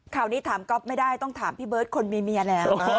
ข่าวนี้ถามก๊อฟไม่ได้ต้องถามพี่เบิร์ตคนมีเมียแล้ว